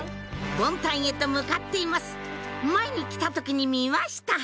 ボンタンへと向かっています前に来た時に見ました